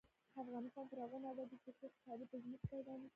افغانستان تر هغو نه ابادیږي، ترڅو خوشحالي په زړونو کې پیدا نشي.